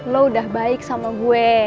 lo udah baik sama gue